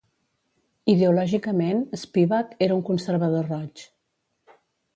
Ideològicament, Spivak era un conservador roig.